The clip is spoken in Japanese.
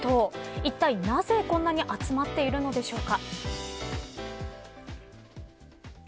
いったいなぜこんなに集まっているのでしょうか。